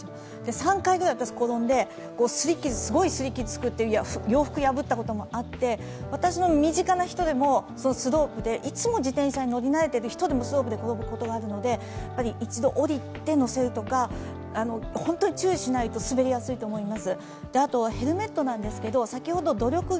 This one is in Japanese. ３回くらい私、転んで、すごいすり傷作って洋服破ったこともあって私の身近な人でもスロープで、いつ自転車に乗り慣れている人でもスロープで転ぶことがあるので、一度降りて乗せるとか、本当に注意しないと滑りやすいと思います。